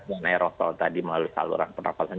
dari aerosol tadi melalui saluran pernafasan